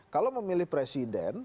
kalau memilih presiden